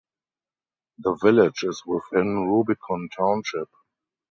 The village is within Rubicon Township.